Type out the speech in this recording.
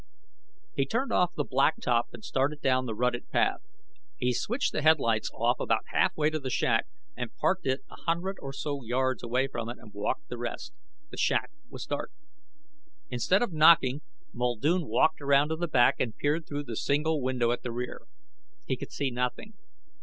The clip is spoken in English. He turned off the blacktop and started down the rutted path. He switched the headlights off about halfway to the shack, and parked it a hundred or so yards away from it and walked the rest. The shack was dark. Instead of knocking, Muldoon walked around to the back and peered through the single window at the rear. He could see nothing.